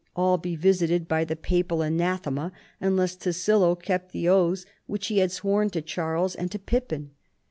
179 all be visited by the papal anathema unless Tassilo kept the oaths which he had sworn to Charles and to Pippin.